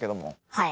はい。